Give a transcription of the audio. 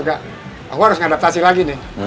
aku harus ngadaptasi lagi nih